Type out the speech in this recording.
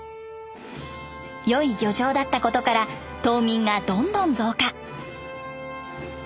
良い漁場だったことから島民がどんどん増加。